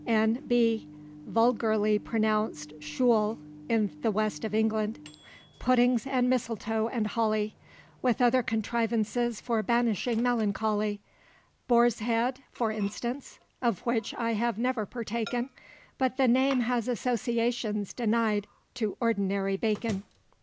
[N.B. Vulgarly pronounced 'schule' in the West of England.] Puddings and mistletoe and holly, With other contrivances for banishing melancholy: Boar's head, for instance of which I have never partaken, But the name has associations denied to ordinary bacon."